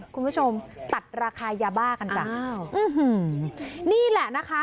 คุณผู้ชมตัดราคายาบ้ากันจ้ะอ้าวนี่แหละนะคะ